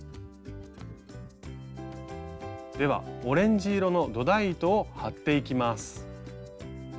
ではオレンジ色の土台糸を張っていきます。